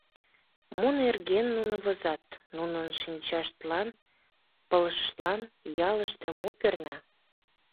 Мо нерген нуно возат, нунын шинчаштлан, пылышыштлан ялыште мо перна?